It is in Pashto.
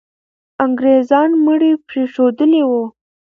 انګریزان مړي پرېښودلي وو.